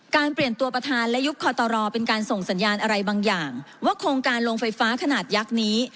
เปลี่ยนตัวประธานและยุคคอตรเป็นการส่งสัญญาณอะไรบางอย่างว่าโครงการลงไฟฟ้าขนาดยักษ์นี้